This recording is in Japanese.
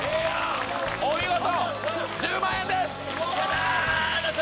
お見事１０万円ですやった！